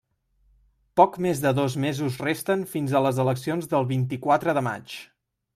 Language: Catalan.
Poc més de dos mesos resten fins a les eleccions del vint-i-quatre de maig.